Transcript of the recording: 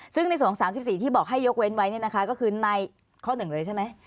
ซึ่งในส่วนของ๓๔ที่บอกให้ยกเว้นไว้ก็คือในข้อ๑เลยใช่ไหม